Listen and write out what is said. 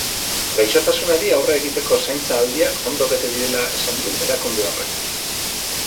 Gaixotasunari aurre egiteko zaintza aldiak ondo bete direla esan du erakunde horrek.